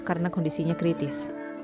karena kondisinya kritis